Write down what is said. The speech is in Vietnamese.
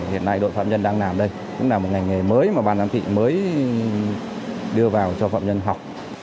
hiện nay đội phạm nhân đang làm đây cũng là một ngành nghề mới mà ban giám thị mới đưa vào cho phạm nhân học